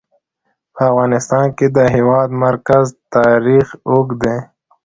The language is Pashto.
په افغانستان کې د د هېواد مرکز تاریخ اوږد دی.